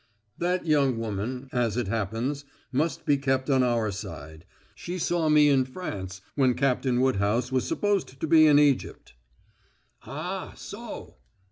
"That young woman, as it happens, must be kept on our side. She saw me in France, when Captain Woodhouse was supposed to be in Egypt." "Ah, so?"